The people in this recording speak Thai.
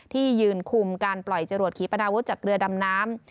ที่ยืนคุมการปล่อยจรวดขีปนาวุธจากเรือดำน้ำ